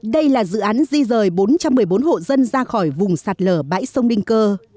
đây là dự án di rời bốn trăm một mươi bốn hộ dân ra khỏi vùng sạt lở bãi sông đinh cơ